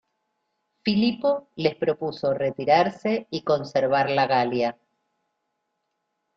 Filipo les propuso retirarse y conservar la Galia.